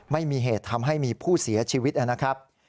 ไม่มีเหตุทำให้มีผู้เสียชีวิตนะครับ